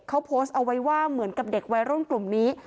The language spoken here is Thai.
เขาโพสต์เอาไว้ว่าเหมือนกับเด็กวัยรุ่นกลุ่มนี้